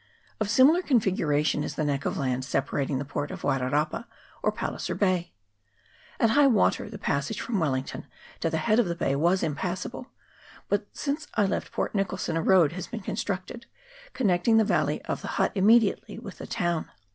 Of similar configuration is the neck of land separating the port from Wairarapa, or Palliser Bay. At high water the passage from Wellington to the head of the bay was impassable, but since I left Port Nicholson a road has been constructed, connecting the valley of the Hutt im mediately with the town.